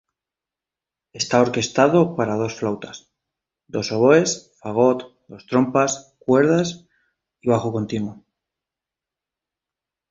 Está orquestada para dos flautas, dos oboes, fagot, dos trompas, cuerdas y bajo continuo.